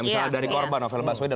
misalnya dari korban novel baswedan